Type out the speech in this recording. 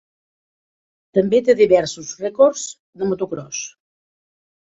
També té diversos rècords de motocròs.